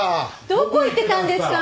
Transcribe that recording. どこ行ってたんですか？